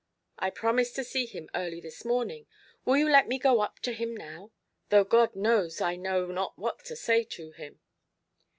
I promised to see him early this morning. Will you let me go up to him now? though God knows I know not what to say to him!"